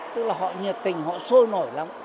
tức là họ nhiệt tình họ sôi nổi lắm